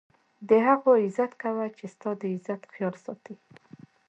د هغو عزت کوه، چي ستا دعزت خیال ساتي.